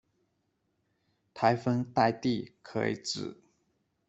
台风黛蒂可以指：